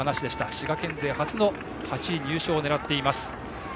滋賀県勢初の８位入賞を狙っています。